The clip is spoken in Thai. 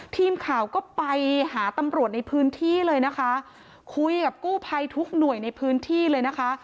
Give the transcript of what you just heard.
ทีมข่าวก็ไปหาตำรวจในพื้นที่เลยนะคะคุยกับกู้ภัยทุกหน่วยในพื้นที่เลยนะคะ